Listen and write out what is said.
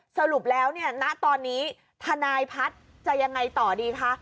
สรุปแล้วณตอนนี้ทนายพัฒจะอย่างไรต่อดีคะ